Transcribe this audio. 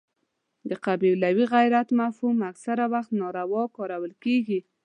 د قبیلوي غیرت مفهوم اکثره وخت ناوړه کارول کېږي.